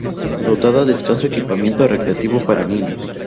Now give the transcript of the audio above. Dotada de escaso equipamiento recreativo para niños.